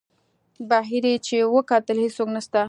بهر یې چې وکتل هېڅوک نسته.